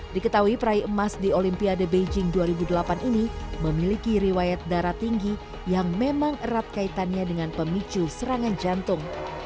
diketahui peraih emas di olimpiade beijing dua ribu delapan ini memiliki riwayat darah tinggi yang memang erat kaitannya dengan pemicu serangan jantung